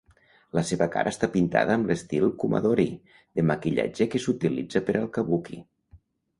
La seva cara està pintada amb l'estil "kumadori" de maquillatge que s'utilitza per al kabuki.